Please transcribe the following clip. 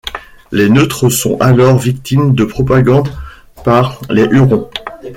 Les Neutres sont alors victimes de propagande par les Hurons.